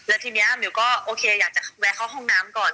แล้วทีนี้มิวก็โอเคอยากจะแวะเข้าห้องน้ำก่อน